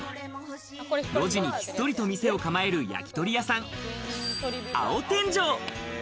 路地にひっそりと店を構える焼き鳥屋さん、青天上。